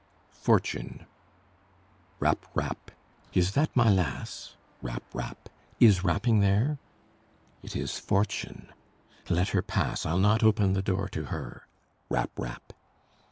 FORTUNE Rap! rap! Is that my lass Rap! rap! is rapping there? It is Fortune. Let her pass! I'll not open the door to her. Rap! rap!